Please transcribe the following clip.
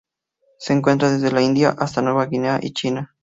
Se encuentra desde la India hasta Nueva Guinea y China.